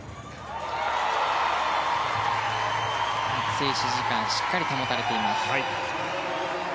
静止時間しっかりと保たれていました。